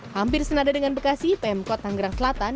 hampir senada dengan bekasi pemkot tanggerang selatan